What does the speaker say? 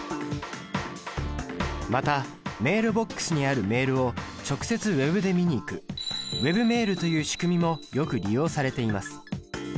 またメールボックスにあるメールを直接Ｗｅｂで見に行くＷｅｂメールという仕組みもよく利用されています。